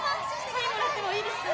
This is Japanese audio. サインもらってもいいですか？